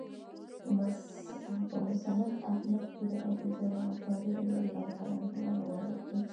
په مسند احمد کې د أبوذر غفاري رضی الله عنه نه روایت دی.